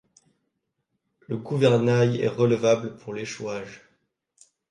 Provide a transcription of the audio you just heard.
Le gouvernail est relevable pour l'échouage.